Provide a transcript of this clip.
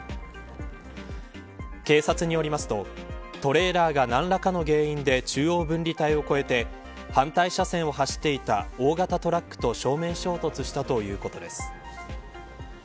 警察によりますとトレーラーが何らかの原因で中央分離帯を越えて反対車線を走っていた大型トラックと正面衝突したということです。